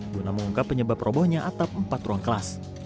guna mengungkap penyebab robohnya atap empat ruang kelas